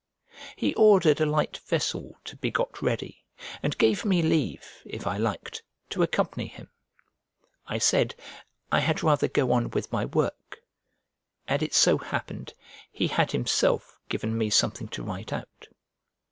He ordered a light vessel to be got ready, and gave me leave, if I liked, to accompany him. I said I had rather go on with my work; and it so happened, he had himself given me something to write out.